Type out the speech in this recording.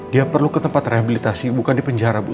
dia perlu ke tempat rehabilitasi bukan di penjara bu